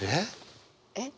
えっ？